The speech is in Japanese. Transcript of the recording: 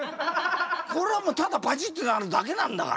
これはもうただバチッてなるだけなんだから。